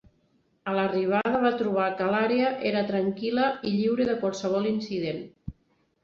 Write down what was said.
A l'arribada van trobar que l'àrea era tranquil·la i lliure de qualsevol incident.